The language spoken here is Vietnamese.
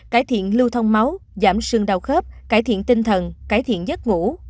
cải thiện lưu thông máu giảm sưng đau khớp cải thiện tinh thần cải thiện giấc ngủ